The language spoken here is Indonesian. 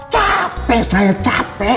capek saya capek